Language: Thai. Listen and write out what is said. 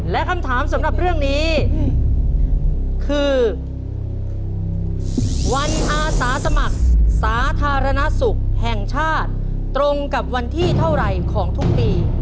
และคำถามสำหรับเรื่องนี้คือวันอาสาสมัครสาธารณสุขแห่งชาติตรงกับวันที่เท่าไหร่ของทุกปี